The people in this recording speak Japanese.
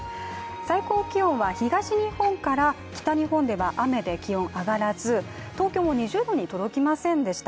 最高気温は東日本から北日本は雨で気温上がらず東京も２０度に届きませんでした。